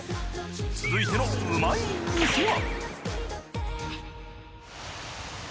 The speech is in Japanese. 続いてのうまい店は。